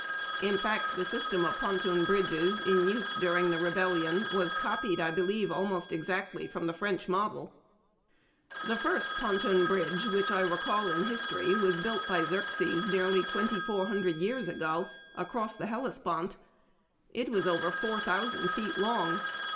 In fact, the system of ponton bridges in use during the Rebel lion was copied, I believe, almost exactly from the French model. The first ponton Inidge which I recall in history was built !)}• Xerxes, nearly twenty four hundred years ago, across the Hellespont. It was over four thousand feet long.